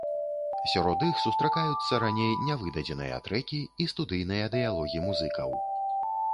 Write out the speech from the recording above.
Сярод іх сустракаюцца раней нявыдадзеныя трэкі і студыйныя дыялогі музыкаў.